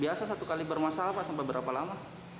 biasa satu kali bermasalah pak sampai berapa lama